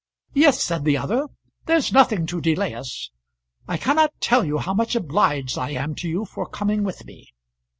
"Yes," said the other; "there's nothing to delay us. I cannot tell you how much obliged I am to you for coming with me."